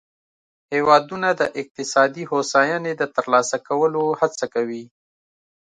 هیوادونه د اقتصادي هوساینې د ترلاسه کولو هڅه کوي